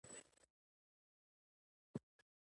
تشکیل د دندو د ویشلو څخه عبارت دی.